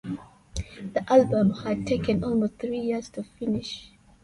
The album had taken almost three years to finish.